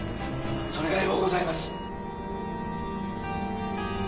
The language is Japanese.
「それがようございます！」